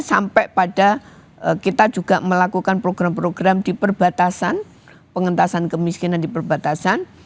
sampai pada kita juga melakukan program program di perbatasan pengentasan kemiskinan di perbatasan